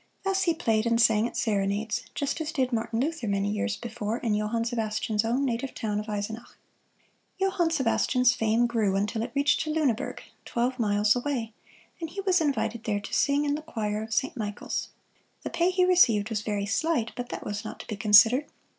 Thus he played and sang at serenades, just as did Martin Luther, many years before, in Johann Sebastian's own native town of Eisenach. Johann Sebastian's fame grew until it reached to Luneburg, twelve miles away, and he was invited there to sing in the choir of Saint Michael's. The pay he received was very slight, but that was not to be considered.